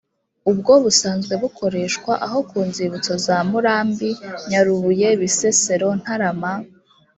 ubwo busanzwe bukoreshwa aho ku nzibutso za murambi, nyarubuye, bisesero, ntarama